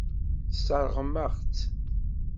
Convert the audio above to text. Tesseṛɣem-aɣ-tt.